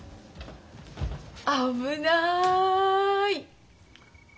危ない。